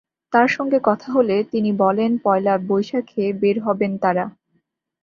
তাঁর সঙ্গে কথা হলে তিনি বলেন, পয়লা বৈশাখে বের হবেন তাঁরা।